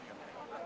saya dari pontianak